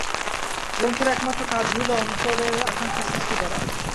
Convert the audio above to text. গ্রন্থের একমাত্র কাজ হইল অন্তরের আকাঙ্ক্ষা সৃষ্টি করা।